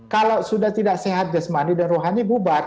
kalau sudah tidak sehat jasmani dan rohani bubar